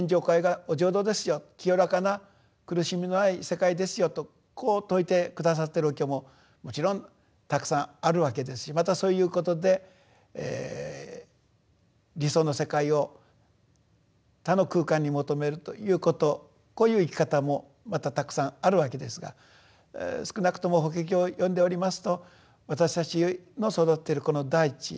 清らかな苦しみのない世界ですよとこう説いて下さっているお経ももちろんたくさんあるわけですしまたそういうことで理想の世界を他の空間に求めるということこういう生き方もまたたくさんあるわけですが少なくとも法華経を読んでおりますと私たちの育っているこの大地